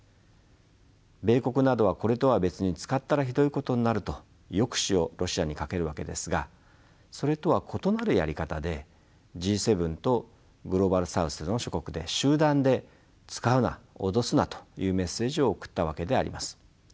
米国などはこれとは別に「使ったらひどいことになる」と抑止をロシアにかけるわけですがそれとは異なるやり方でＧ７とグローバル・サウスの諸国で集団で「使うな脅すな」というメッセージを送ったわけであります。